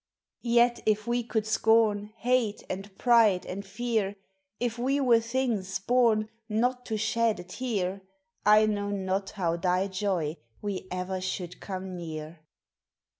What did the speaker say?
Yet if we could scorn Hate and pride and fear, If we were things born Not to shed a tear, I know not how thy joy we ever should come near.